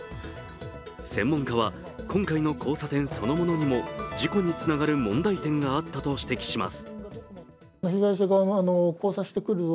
専門家は、今回の交差点そのものにも事故につながる問題点があったと指摘します。